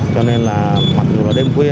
cho nên là mặc dù là đêm khuya